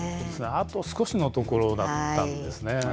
あと少しのところだったんですね。